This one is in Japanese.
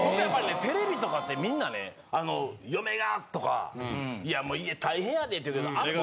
テレビとかってみんなね「嫁が」とか「家大変やで」って言うけどあれ